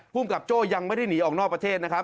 ภูมิกับโจ้ยังไม่ได้หนีออกนอกประเทศนะครับ